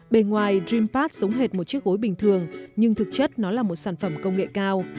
bề ngoài d dreampad sống hệt một chiếc gối bình thường nhưng thực chất nó là một sản phẩm công nghệ cao